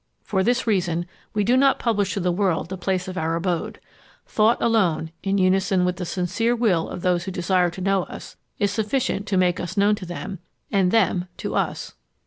For this reason we do not publish to the world the place of our abode. Thought alone, in unison with the sincere_ will _of those who desire to know us, is sufficient to make us known to them, and them to us.